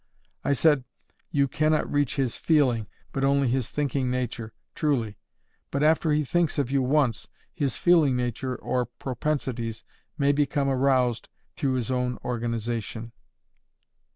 I said, you cannot reach his "Feeling," but only his "Thinking Nature," truly, but after he thinks of you once, his "Feeling Nature," or propensities, may become aroused through his own organization.